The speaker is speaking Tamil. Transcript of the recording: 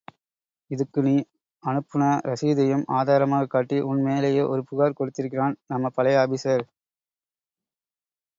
இதுக்கு நீ அனுப்புன ரசீதையும் ஆதாரமாக் காட்டி உன் மேலேயே ஒரு புகார் கொடுத்திருக்கான், நம்ம பழைய ஆபீஸர்.